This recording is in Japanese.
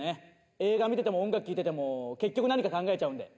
映画観てても音楽聞いてても結局何か考えちゃうんで」。